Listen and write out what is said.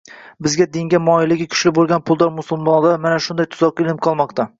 Baʼzi dinga moyilligi kuchli bo‘lgan puldor musulmonlar mana shunday tuzoqqa ilinib qolmoqda.